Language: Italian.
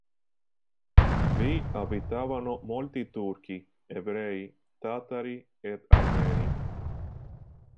Vi abitavano molti turchi, ebrei, tatari ed armeni.